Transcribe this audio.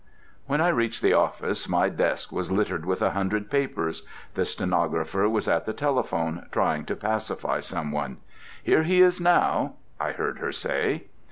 When I reached the office my desk was littered with a hundred papers. The stenographer was at the telephone, trying to pacify someone. "Here he is now," I heard her say.